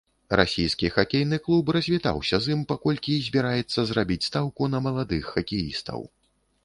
Расійскі хакейны клуб развітаўся з ім, паколькі збіраецца зрабіць стаўку на маладых хакеістаў.